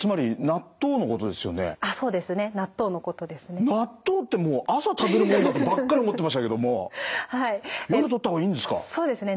納豆ってもう朝食べるもんだとばっかり思ってましたけども夜とった方がいいんですか。